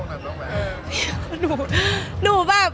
ไม่ค่ะหนูแบบ